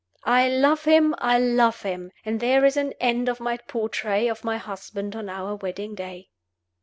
I love him! I love him! And there is an end of my portrait of my husband on our wedding day.